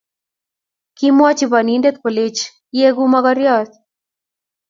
Kimwochi bonindet kolech ieku mogoriot